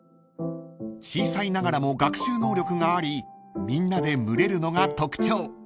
［小さいながらも学習能力がありみんなで群れるのが特徴］